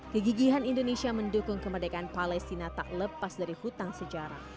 kegigihan indonesia mendukung kemerdekaan palestina tak lepas dari hutang sejarah